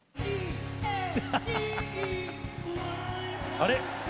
あれ？